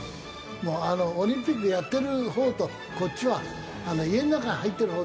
もうオリンピックやってるほうとこっちは家の中入ってるほうと。